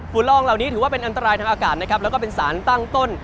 ฝุ่นละอองเหล่านี้ถือว่าเป็นอันตรายทางอากาศและเป็นสารตั้งต้น